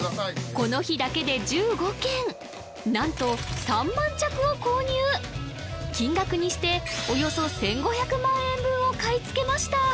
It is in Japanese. この日だけで１５軒なんと３万着を購入金額にしておよそ１５００万円分を買い付けました！